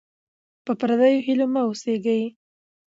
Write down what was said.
په پردیو هیلو مه اوسېږئ.